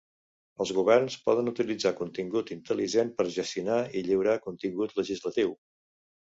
Els governs poden utilitzar contingut intel·ligent per gestionar i lliurar contingut legislatiu.